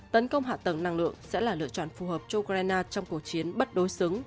tấn công hạ tầng năng lượng sẽ là lựa chọn phù hợp cho ukraine trong cuộc chiến bất đối xứng